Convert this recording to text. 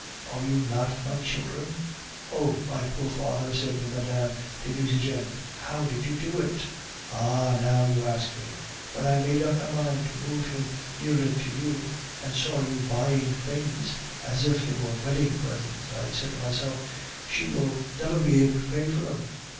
Are you not my children?" "Oh! my poor father," said Mme. de Nucingen, "how did you do it?" "Ah! now you ask me. When I made up my mind to move him nearer to you, and saw you buying things as if they were wedding presents, I said to myself, 'She will never be able to pay for them.